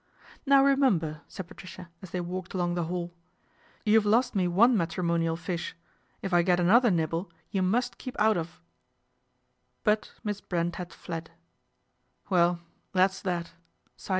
" Now remember," said Patricia as they walked along the hall, " you've lost me one matrimonial fish. If I get another nibble you must keep out of " But Miss Brent had fled.